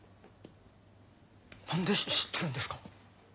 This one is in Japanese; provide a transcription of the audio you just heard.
何で知ってるんですか？